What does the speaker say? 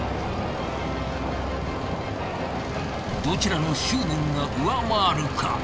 どちらの執念が上回るか。